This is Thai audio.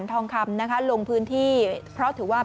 ทีนี้มาดูเรื่องของอาการคนที่บาดเจ็บนายภูกันหน่อยนะคะ